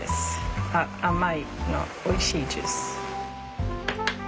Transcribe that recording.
甘いおいしいジュース。